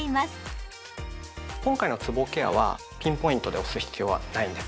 今回のつぼケアはピンポイントで押す必要はないんです。